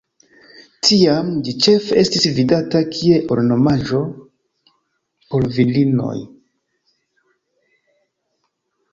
Tiam ĝi ĉefe estis vidata kie ornamaĵo por virinoj.